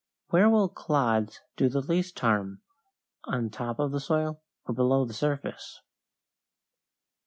Where will clods do the least harm on top of the soil or below the surface?